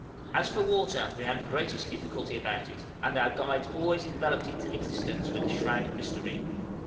As for water, we had the greatest difficulty about it, and our guides always enveloped its existence with a shroud of mystery.